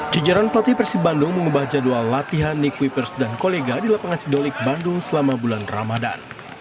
jajaran pelatih persib bandung mengubah jadwal latihan nick wipers dan kolega di lapangan sidolik bandung selama bulan ramadan